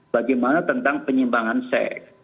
bagaimana tentang penyimbangan seks